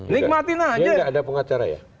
nikmatin saja dia tidak ada pengacara ya